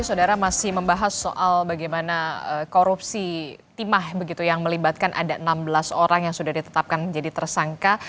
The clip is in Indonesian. saudara masih membahas soal bagaimana korupsi timah begitu yang melibatkan ada enam belas orang yang sudah ditetapkan menjadi tersangka